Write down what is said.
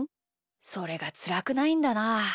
それがつらくないんだな。